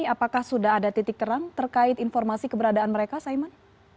apakah sudah ada titik terang terkait informasi keberadaan mereka saiman